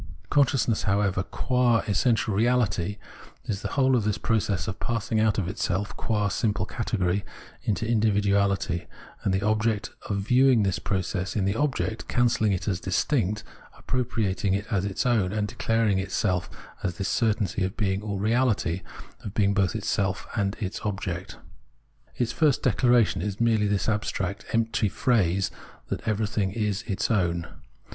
Con 230 Phenomenology of Mind sciousness, however, qua essential reality is the whole of this process of passing out of itself qua simple category into individuahty and the object, and of view ing this process in the object, cancelling it as distinct, appropriating it as its own, and declaring itself as this certainty of being all reality, of being both itself and its object. Its first declaration is merely this abstract, empty phrase that everything is its own.